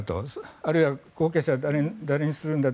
あるいは後継者は誰にするんだと。